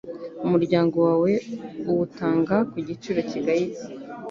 Umuryango wawe uwutanga ku giciro kigayitse